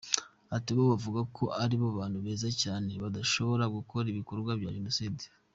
Ati “Bo bavuga ko ari abantu beza cyane ko badashobora gukora ibikorwa bya Jenoside.